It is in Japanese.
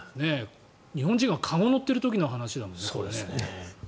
日本人が籠に乗ってる時の話だもんね。